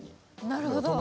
なるほど。